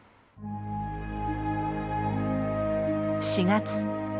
４月。